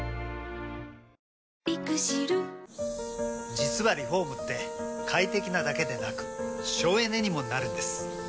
実はリフォームって快適なだけでなく省エネにもなるんです。